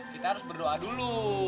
kita harus berdoa dulu